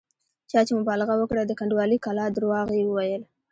چا چې مبالغه وکړه د کنډوالې کلا درواغ یې وویل.